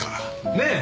ねえ！